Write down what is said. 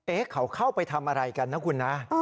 เขาเข้าไปทำอะไรกันนะคุณนะ